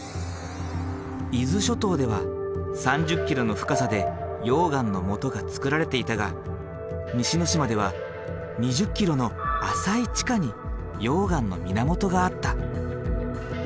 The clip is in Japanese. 伊豆諸島では３０ｋｍの深さで溶岩のもとがつくられていたが西之島では２０ｋｍの浅い地下に溶岩の源があった。